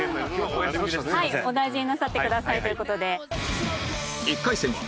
はいお大事になさってくださいという事で。